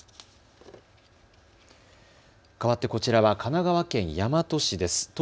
かわってこちらは神奈川県大和市です。